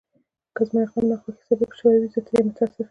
که زما اقدام د ناخوښۍ سبب شوی وي، زه ترې متأسف یم.